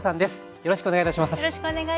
よろしくお願いします。